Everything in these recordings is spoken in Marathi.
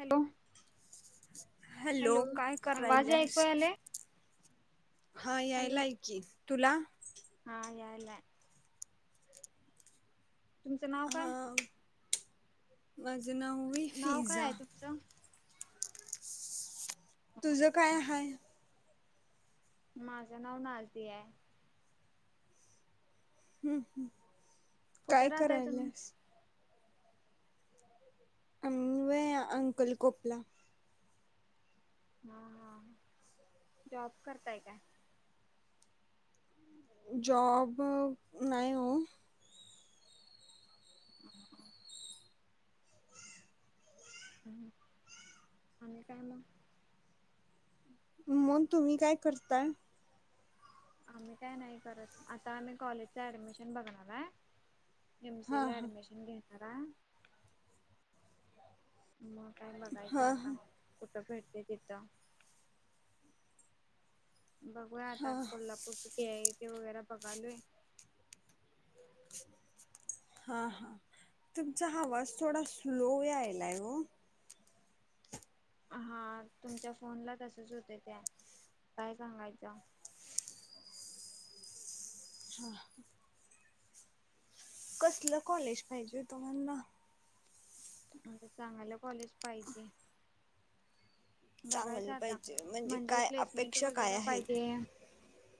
हॅलो हॅलो काय आवाज करायल्यास ऐकू आलाय? हा यायला ऐ कि तुला? काय तुमचं नाव काय? माज नऊही नाव काय फिझा आहे तुमचं तुझ काय हाय? माझं नाव नाझियाय हम्म हम् कुठे काय राहताय तुम्ही करायलास - आम् व्हय अंकल कोपला हा हा जॉब करताय काय? जॉब नाही हो. हम्म. हम आणि काय म मग तुम्ही काय करताय? आम्ही काय नाही करत, आता आम्ही कॉलेजच ऍडमिशन बघणार आहे. हां एमसीला हां ऍडमिशन घेणारा य. मग काय बघायचं हां आता हां कुठं भेटते तिथं. बघू आता हां कोल्हापूर कुठे आहे. ते वगैरे पका बघालोय हा हा तुमचा आवाज थोडा स्लो आयलाय ग? हा तुमच्या फोनला तसच होत त्या काय सांगायचं. [inaudible] हा कसलं कॉलेज पाहिजे तुम्हाला? आ चांगलं कॉलेज पाहिजे. बघायचं चांगलं आता पाहिजे म्हणजे काय प्लेसमेंट अपेक्षा काय वगैरे आहेत पाहिजे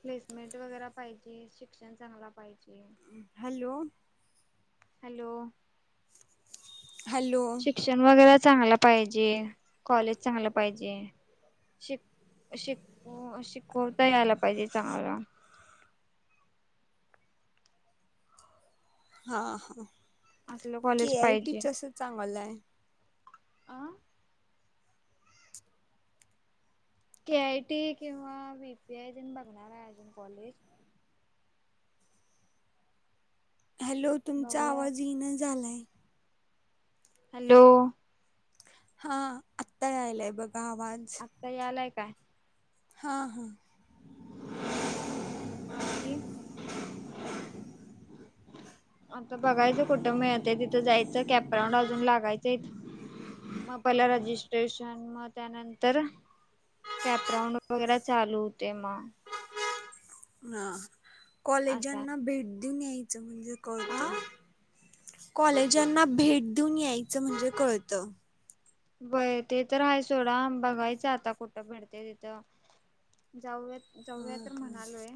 प्लेसमेंट वगैरे पाहिजे शिक्षण चांगला पाहिजे. हॅलो हॅलो हॅलो शिक्षण वगैरे चांगला पाहिजे कॉलेज चांगलं पाहिजे. शिक, शिक शिकवता यायला पाहिजे चांगला. हा हा असलं कॉलेज के आयटीचस चांगलं आहे. आ के आय टी किंवा बीपीआय दे बघणार आहे अजून कॉलेज हॅलो तुमचा बघूया आवाज येन झालाय हॅलो हा आत्ता आलाय बघ - आत्ता यालाय, काय? हा हा आणि आता बघायचं कुठं मिळतय तिथं जायचं, कॅपराऊंड अजून लागायचं इथ मग पहिला रजिस्ट्रेशन मग त्यानंतर कॅपराउंड वगैरे चालू होते मग. हा असा कॉलेजांना भेट देऊन यायचं म्हणजे हा कळतं कॉलेजांना भेट देऊन यायचं म्हणजे कळतं. बय ते तर हाय सोडा बघायच आता कुठं भेडते तिथं जाऊयात. हा जाऊया तर ह म्हणालोय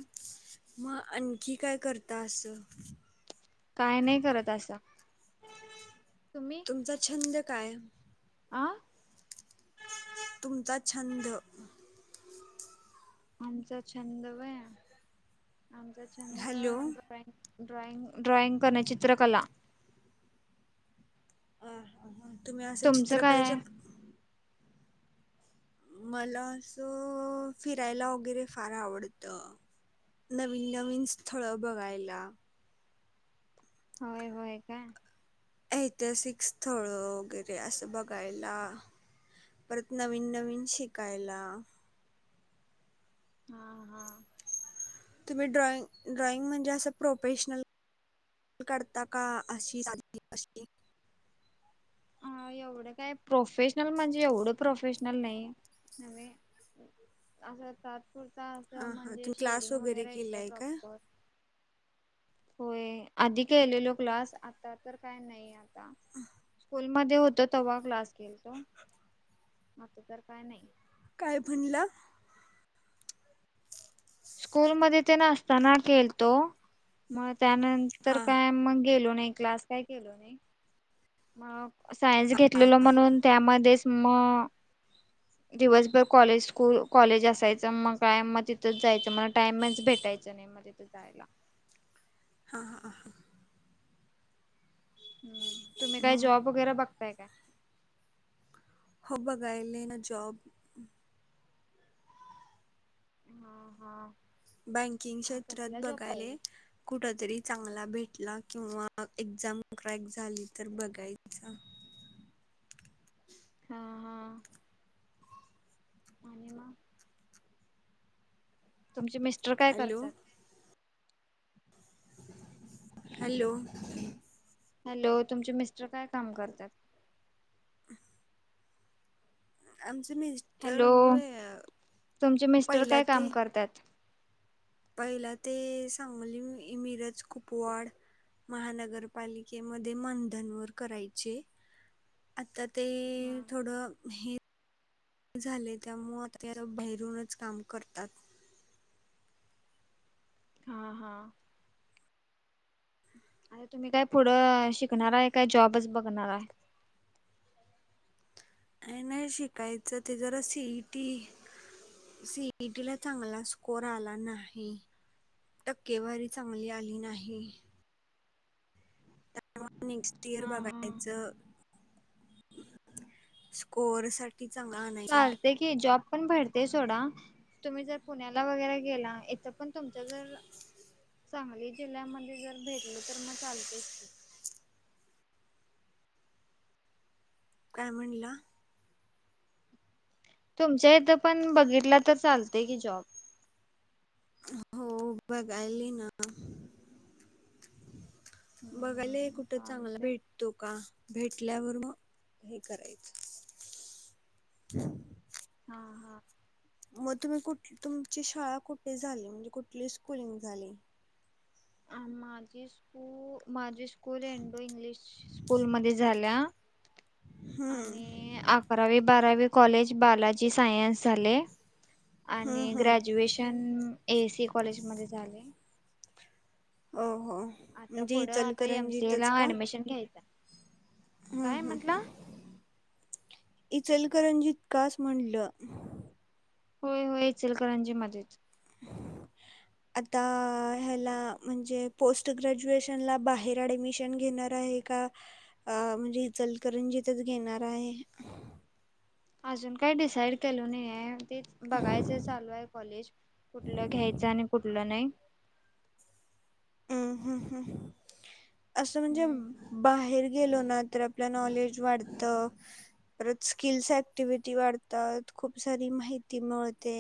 मग आणखी काय करता अस? काय नाही करत असा तुम्ही? कायम आं तुमचा छंद आमचा छंद व्हय आमचा छंद हॅलो ड्रॉईंग ड्रॉइंग ड्रॉइंग करणे चित्रकला अ तुम्ही असं तुमचं काय आहे चित्रकलेच्या. मला असं फिरायला वगैरे फार आवडत. नवीन-नवीन स्थळ बघायला. होय होय का. ऐतिहासिक स्थळ वगैरे असं बघायला. परत नवीन नवीन शिकायला. हा हा. तुम्ही ड्रॉइंग ड्रॉइंग म्हणजे असं प्रोफेशनल. करता का अशीशी. हा एवढं काय प्रोफेशनल म्हणजे एवढं प्रोफेशनल नाही. असं तात्पुरता असं हां हां म्हणजे तुम्ही क्लास शेडिंग वगैरे केला येते आहे का प्रॉपर. होय आधी केलेलो क्लास आता तर काय नाही आता. स्कूल मध्ये होतो तेव्हा क्लास केेलतो आता तर काय नाही. काय म्हणला. स्कूल मध्ये ते नसताना केलतो मग. त्यानंतर हां काय मग गेलो नाही क्लास काय केलो नाही मग. सायन्स घेतलेल म्हणून त्यामध्येच मग. दिवसभर कॉलेज स्कूल कॉलेज असायचं मग काय मग तिथंच जायचं मला टाइमच भेट. भेटायच नाही मध्ये तू जायला. हा हाा हा. हम् तुम्ही काय मग जॉब वगैरे बघताय काय. हो बघायले ना जॉब. [inaudible] बँकिंग हा क्षेत्रात कसला जॉब बघायला पाहिजे कुठतरी चांगला भेट. किंवा एक्झाम क्रॅक झाली तर बघायचा. हा हा. [inaudible] तुमचे मिस्टर काय हॅलो करतात. हॅलो. हॅलो तुमचे मिस्टर काय काम करतात. आमची. हॅलो तुमचे मिस्टर पहिला काय काम ते करतात. पहिला ते सांगली इ मिरज कुपवाड. महानगरपालिकेमध्ये मंधनवर करायचे आता. ते हा थोडं हे. झाले त्यामुळ आता भहेरूनच काम करतात. हा हा. तुम्ही काय पुढं शिकणार आहे काय जॉबच बघणार आहे. [inaudible] नाही शिकायचं ते जरा सीईटी. सीईटी ला चांगला स्कोर आला नाही. टक्केवारी चांगली आली नाही. नेक्स्ट इयर हा हा बघायच स्कोर साठी. चांगला आणायचा चालते की जॉब पण भरतेय सोडा. तुम्ही जर पुण्याला वगैरे गेला इथ पण तुमच जर. सांगली जिल्ह्यामध्ये जर भेटल तर मग चालतेच. काय म्हणला. तुमच्या इथं पण बघितला तर चालतय कि जॉब. हो बघ आयली ना. बघायला हम्म कुठं चांगला चालतय भेटतो का भेट. आपल्यावर म हे करायचं. हा हा. मग तुम्ही कुठ तुमची शाळा कुठे झाली म्हणजे कुठली स्कुलिंग झाली. माझी स्कू माझी स्कूल एंडो इंग्लिश स्कूल मध्ये झाल्या. हम्म आणि अकरावी बारावी कॉलेज बालाजी सायन्स झाले. हम्म आणि हम्म ग्रॅज्युएशन ऐ एसी कॉलेज मध्ये झाले. हो हो आता म्हणजे पुढं आता एम सी ए इचलकरंजीतच ला का. ऍडमिशन घ्यायचा हम्म काय हम्म म्हटला? हम्. इचलकरंजीत कास म्हणलं. होय होय इचलकरांजी मध्येच. आता ह्याला म्हणजे पोस्ट ग्रॅज्युएशन ला बाहेर ऍडमिशन घेणार. का म्हणजे इचलकरंजीतच घेणार आहे. अजून काही डिसाईड केलो नाही आहे ते बघायच चालू आहे कॉलेज. कुठलं घ्यायचं आणि कुठलं नाही. हम्म ह असं म्हणजे बाहेर. गेलो ना तर आपलं नॉलेज वाढत. परत स्किल्स ऍक्टिव्हटी वाढतात खूप सारी माहिती मिळते.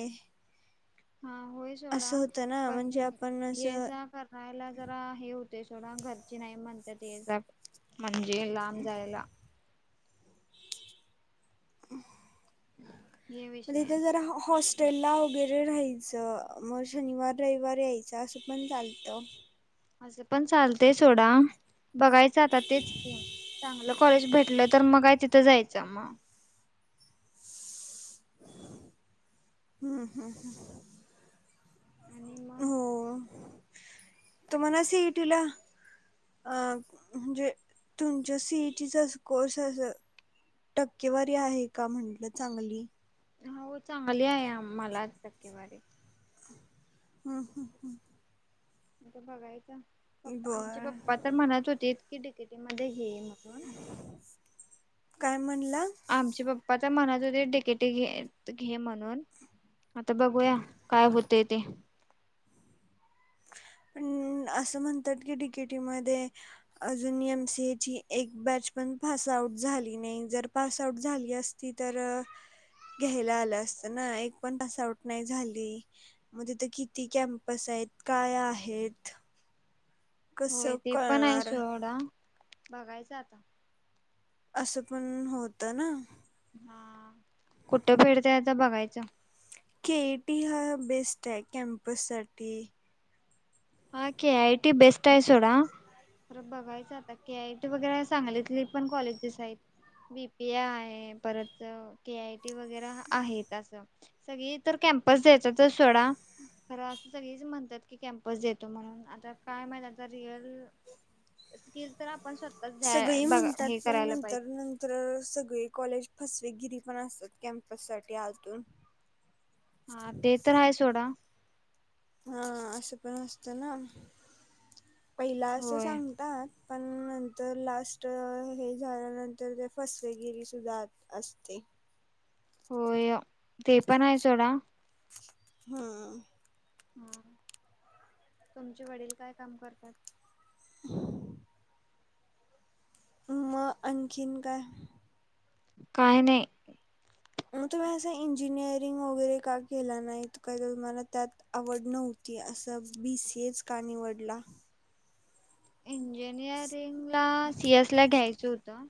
हा होय सोडा असं होतं ना पण म्हणजे आपण ये असं ज करायला जरा हे होते सोडा घर. नाही म्हणत ते म्हणजे लांब जायला. [unintelligible] [inaudible] आहे म्हणजेथे जरा हॉस्. टेला वगैरे राहायचं मग शनिवार रविवार यायचं असं पण चालतं. असं पण चालतेय सोडा बघायच आता तेच ये. चांगलं कॉलेज भेटलं तर मग काय तिथं जायचं मग. हम्म हम्म ह. आणि मग तुमला सीइटीला. अ म्हणजे तुमच्या सीईटीचा कोर्स अस. टक्केवारी आहे का म्हटलं चांगली. हा हो चांगली आहे आम्हाला. हम्म हम्म हम्म. बर आता म्हणत होतीय कि. म्हण काय म्हणला? आमच्या बाप्पा. मनात हो ते डिकेटी मध्ये घे म्हणून. आता बघूया काय होतय ते. हू. म्हणतात कीे डि के टी मध्ये अजून एमसीएची एक बैच पण. झाली नाही जर पास आऊट झाली असती तर. घ्यायला आलं असत ना एक पण तस आउट नाही झाली मगथ किती कॅम्पस आहेत. काय आहेत. होय कसं ते पण आहे कळणार सोडा सडा बघायच आता. असं पण होतं ना. हा कुठं फिडतय आता बघायचं. केईटी हा बेस्ट आहे कॅम्पस साठी. हा के ऐ टी बेस्ट आहे सोडा. तर बघायचं आता के आय टी वगैरे चांगलीतले पण कॉलेजेस आहेत. बी पी ए आहे परत के आय टी वगैरे आहेत अस सगळी तर काय. म्हणात ते सोडा [unintelligible] येतो म्हणून आता काय माहि रिअल स्किल तर. स्वतःच द्या सगळी बघा म्हणतात हे पण करायला पाहिजे नंतर-नंतर सगळी कॉलेज फस. गिरी पण असतात कॅम्पस साठी आतून हा ते तर आहे सोडा हा असं पण असत ना पहिला असं होय सांगतात पण नर लास्ट हे झाल्यानंतर ते फसवेगिरी सुद्धा असते होय ते पण आहे सोडा हम हा तुमचे वडील काय काम करतात मग आणखीन का काही नाही मग तुम्ही असं इंजिनिअरिंग वगैरे का केला नाही काही तुम्हाला त्यात आवड नव्हती ती असं बीस हेच का निवडला इंजिनियरिंग ला सीएस ला घ्यायचं होतं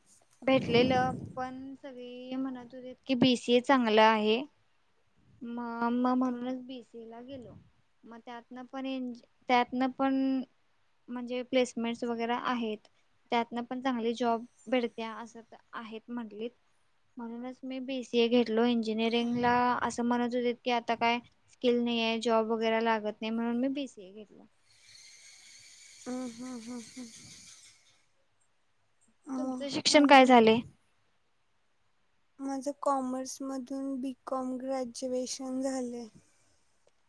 भेटलेलं पण सगळी म्हणत होते की बीसीए चांगलं आहे मा्मा म्हणूनच बीसी ला गेलो मग त्यातनं पण त्यातन पण म्हणजे प्लेसमेंट वगैरे आहेत त्यातन पण चांगली जॉब भळते अस आहेत म्हटली म्हणूनच मी बीसीए घेतलो इंजिनिअरिंग ला म्हणत होते की आता काय स्किल नाही आहे जॉब वगैरे लागत नाही म्हणून मी बीसीए घेतला ह हा ह ह तुमचं शिक्षण काय झाले? आणि माझं कॉमर्समधून बी कॉम ग्रॅज्युएशन झालं आहे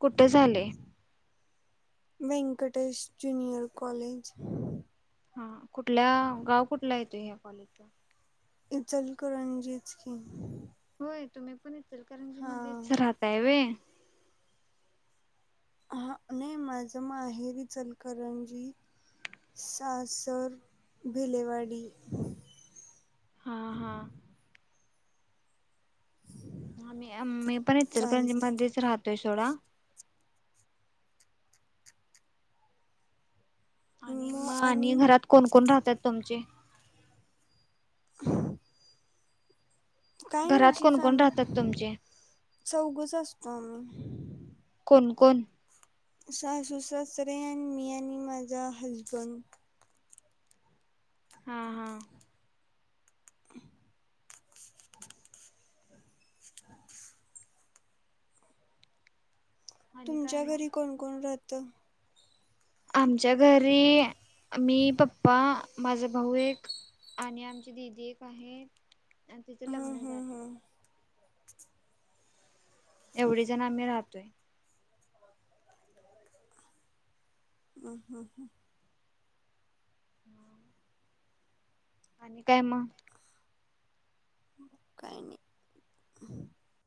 कुठे झाले व्यंकटेश जुनियर कॉलेज हा कुठल्या गाव कुठला येतो ह्या कॉलेजचा इ चल करणजीच की होय तुम्ही पण इल कारंजी मध्येच हां राहताय वे हा नाही माझ माहेरी चलकरणजी सासर भिलेवाडी हा हा मी मी पण इ कारणी चालतं मंदच राहतोय सोडा आणि मग आणि घरात कोण कोण राहतात तुमचे काय नाही घरात कोणकोण शिफाम राहतात तुमचे? चौघच असतो आम्ही कन सासू सासरे आणि मी आणि माझा हजबंड हा हा आणि काय तुमच्या मग? घरी कोण कोण राहत आमच्या घरी मी पप्पा माझा भाऊ एक आणि आमची दिीदी एक आहे आणि तिथ हां लग्न हां जात हां एवढे जण आम्ही राहतोय ह हा ह हम्म आणि काय म काहीनी